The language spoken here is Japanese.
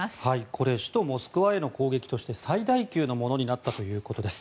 これ、首都モスクワへの攻撃として最大級のものになったということです。